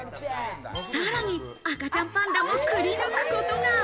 さらに赤ちゃんパンダも、くりぬくことが。